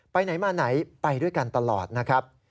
ไปไหนมาไหนไปด้วยกันตลอดนะครับ